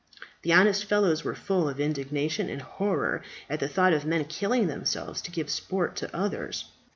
The honest fellows were full of indignation and horror at the thought of men killing themselves to give sport to others.